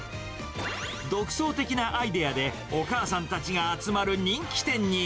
独創的なアイデアで、お母さんたちが集まる人気店に。